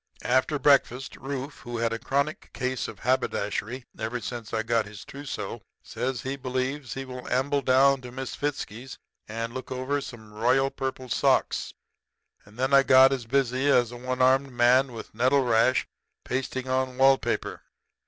"After breakfast Rufe, who had a chronic case of haberdashery ever since I got his trousseau, says he believes he will amble down to Misfitzky's and look over some royal purple socks. And then I got as busy as a one armed man with the nettle rash pasting on wall paper.